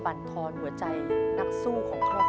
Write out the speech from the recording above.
เกมต่อชีวิตสูงสุด๑ล้านบาท